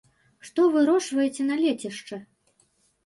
Што вырошчваеце на лецішчы?